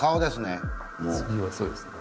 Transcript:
次はそうですね。